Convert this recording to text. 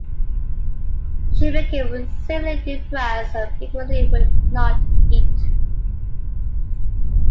She became severely depressed, and frequently would not eat.